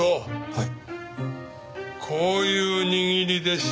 はい。